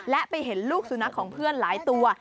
และไปเห็นลูกสุนัขของเพื่อนหลายตัว